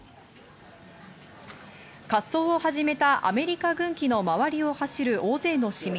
滑走を始めたアメリカ軍機の周りを走る大勢の市民。